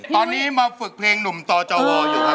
ตอนนี้มาฝึกเพลงนุ่มต่อจว